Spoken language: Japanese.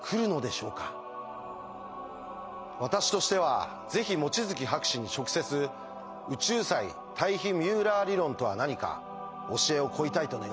私としてはぜひ望月博士に直接「宇宙際タイヒミューラー理論」とは何か教えを請いたいと願っています。